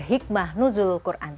hikmah nuzul quran